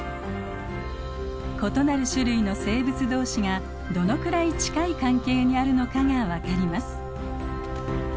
異なる種類の生物同士がどのくらい近い関係にあるのかが分かります。